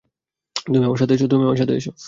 তুমি আমার সাথে আসো।